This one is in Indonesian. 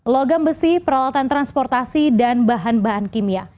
logam besi peralatan transportasi dan bahan bahan kimia